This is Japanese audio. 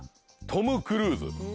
トム・クルーズ。